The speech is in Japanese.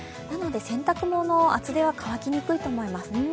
なので洗濯物、厚手は乾きにくいと思います。